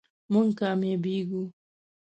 مونږ کامیابیږو